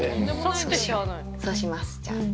そうしますじゃあ。